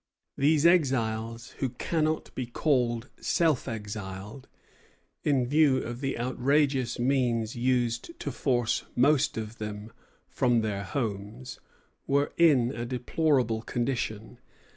These exiles, who cannot be called self exiled, in view of the outrageous means used to force most of them from their homes, were in a deplorable condition.